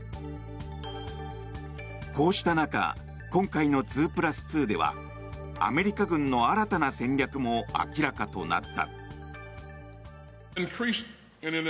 こうした中今回の２プラス２ではアメリカ軍の新たな戦略も明らかとなった。